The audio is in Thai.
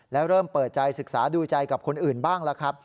แล้วเริ่มเปิดใจศึกษาดูใจกับคนอื่นบ้างแล้วครับ